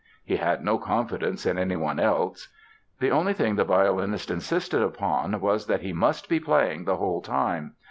He had no confidence in anyone else. The only thing the violinist insisted upon was that "he must be playing the whole time".